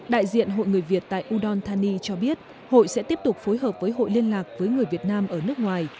đại diện hội người việt tại udon thani cho biết hội sẽ tiếp tục phối hợp với hội liên lạc với người việt nam ở nước ngoài